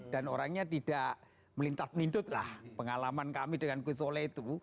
dan orangnya tidak melintas mintutlah pengalaman kami dengan gusola itu